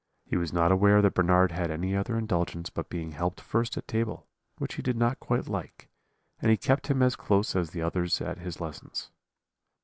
He was not aware that Bernard had any other indulgence but being helped first at table, which he did not quite like; and he kept him as close as the others at his lessons.